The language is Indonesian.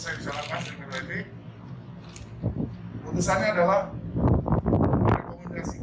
saya kepada masyarakat masih ada alat alat yang memperlakukan disiplin dan politik